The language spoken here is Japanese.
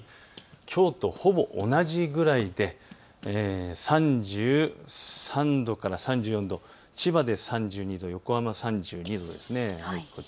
きょうとほぼ同じくらいで３３度から３４度、千葉で３２度、横浜３２度ですね。